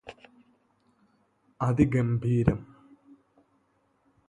അതിഗംഭീരം